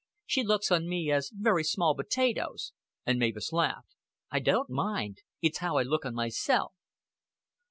She looks on me as very small potatoes," and Mavis laughed. "I don't mind. It's how I look on myself."